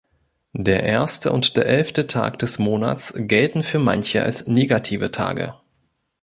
Der erste und der elfte Tag des Monats gelten für manche als negative Tage.